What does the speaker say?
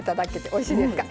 おいしいですか？